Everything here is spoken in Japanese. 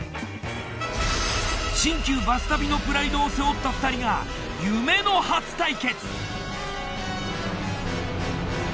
新旧バス旅のプライドを背負った２人が夢の初対決！